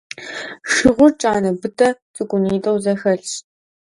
Шыгъур кӀанэ быдэ цӀыкӀунитӀэу зэхэлъщ.